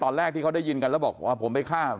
ตอนแรกที่เขาได้ยินกันแล้วบอกว่าผมไปฆ่า